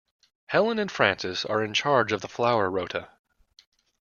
Helen and Frances are in charge of the flower rota